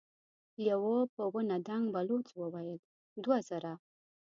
يوه په ونه دنګ بلوڅ وويل: دوه زره.